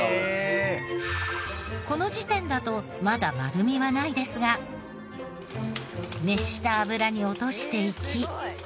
この時点だとまだ丸みはないですが熱した油に落としていき。